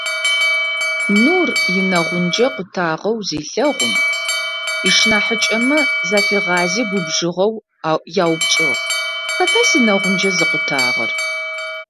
Нур инэгъунджэ къутагъэу зелъэгъум, ышнахьыкӀэмэ зафигъази губжыгъэу яупчӀыгъ: «Хэта синэгъунджэ зыкъутагъэр?».